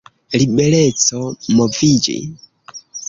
Libereco moviĝi.